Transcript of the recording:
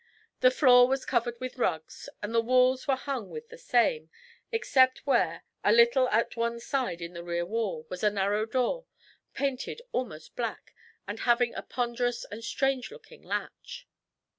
The floor was covered with rugs, and the walls were hung with the same, except where, a little at one side in the rear wall, was a narrow door, painted almost black, and having a ponderous and strange looking latch.